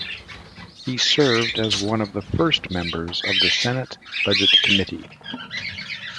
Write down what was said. He served as one of the first members of the Senate Budget Committee.